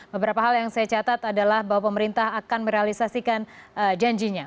beberapa hal yang saya catat adalah bahwa pemerintah akan merealisasikan janjinya